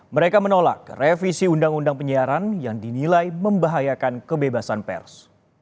mereka menolak revisi undang undang penyiaran yang dinilai membahayakan kebebasan pers